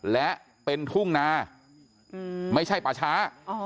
และเป็นทุ่งนาไม่ใช่ป่าช้า